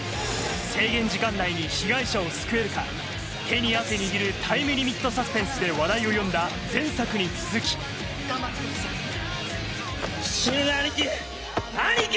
制限時間内に被害者を救えるか手に汗握るタイムリミットサスペンスで話題を呼んだ前作に続き死ぬな兄貴！